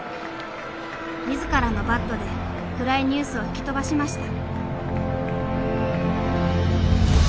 自らのバットで暗いニュースを吹き飛ばしました。